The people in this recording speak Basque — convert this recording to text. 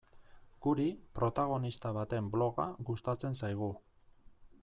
Guri, protagonista baten bloga gustatzen zaigu.